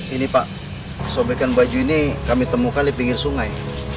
ini pak sobekan baju ini kami temukan di pinggir sungai